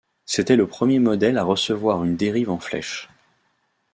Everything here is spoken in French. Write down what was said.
C’était le premier modèle à recevoir une dérive en flèche.